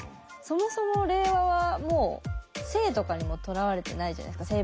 そもそも令和はもう性とかにもとらわれてないじゃないですか